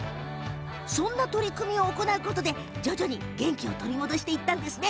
そんな取り組みを行うことで徐々に、元気を取り戻していったんですね。